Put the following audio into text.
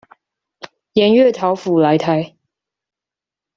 鹽月桃甫來台